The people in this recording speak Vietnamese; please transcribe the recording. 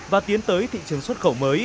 và tiến tới thị trường xuất khẩu mới